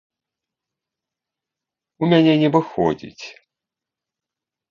У мяне не выходзіць!